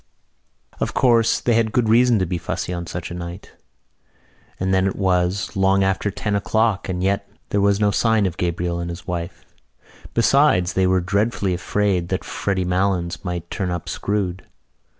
Of course they had good reason to be fussy on such a night. And then it was long after ten o'clock and yet there was no sign of Gabriel and his wife. Besides they were dreadfully afraid that Freddy Malins might turn up screwed.